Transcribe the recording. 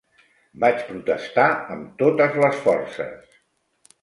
Vaig protestar amb totes les forces.